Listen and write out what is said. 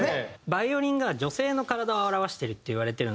バイオリンが女性の体を表してるっていわれてるのと。